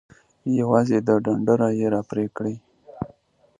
یوازې د ډنډره یی را پرې کوئ.